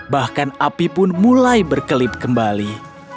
bahkan api pun mulai berkelip kembali